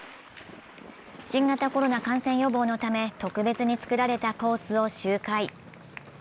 新型コロナ感染予防のため、特別につくらたコースを周回。